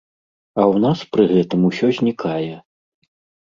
А ў нас пры гэтым усё знікае!